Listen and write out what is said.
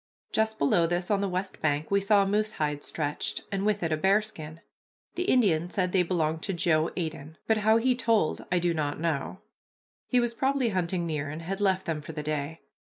Just below this, on the west bank, we saw a moose hide stretched, and with it a bearskin. The Indian said they belonged to Joe Aitteon, but how he told I do not know. He was probably hunting near and had left them for the day.